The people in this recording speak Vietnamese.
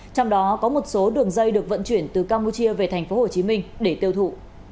trong đó có một số đường dây được vận chuyển từ campuchia về tp hcm để tiêu thụ